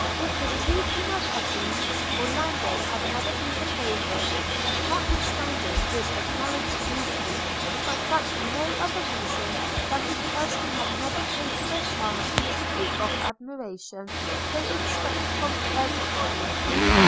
With his two female cousins Orlando had never been a favourite, notwithstanding his acknowledged beauty; and that for no other reason than because he had never paid to their charms the tribute of admiration they expected from every body.